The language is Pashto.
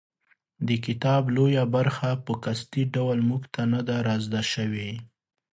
د کتاب لویه برخه په قصدي ډول موږ ته نه ده رازده شوې.